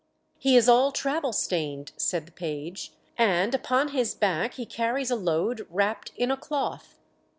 "He is all travel stained," said the page, "and upon his back he carries a load wrapped in a cloth.